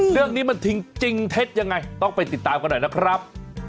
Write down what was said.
เรื่องนี้มันจริงเท็จยังไงต้องไปติดตามกันหน่อยนะครับ